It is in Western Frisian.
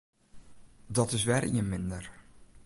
Dat is wer ien minder.